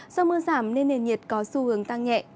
do mưa giảm nên nền nhiệt có xu hướng tăng nhẹ